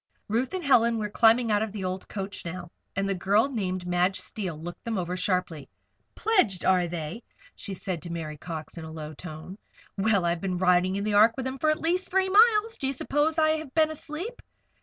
Ruth and Helen were climbing out of the old coach now, and the girl named Madge Steele looked them over sharply. "Pledged, are they?" she said to Mary Cox, in a low tone. "Well! I've been riding in the Ark with them for the last three miles. Do you suppose I have been asleep?"